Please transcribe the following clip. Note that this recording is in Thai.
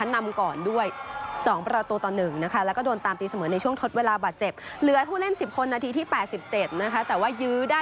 นำก่อนด้วย๒ผลาตูต่อ๑นะคะ